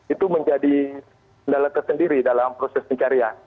itu menjadi kendala tersendiri dalam proses pencarian